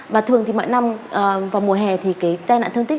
và thường thì mọi năm vào mùa hè thì cái tai nạn thương tích